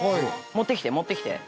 持ってきて持ってきて。